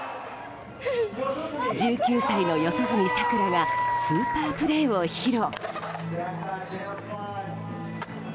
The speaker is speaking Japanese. １９歳の四十住さくらがスーパープレーを披露。